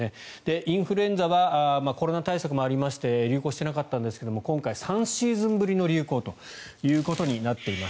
インフルエンザはコロナ対策もありまして流行していなかったんですが今回３シーズンぶりの流行となっています。